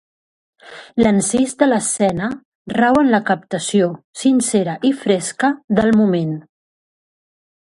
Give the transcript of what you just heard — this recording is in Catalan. L'encís de l'escena rau en la captació, sincera i fresca, del moment.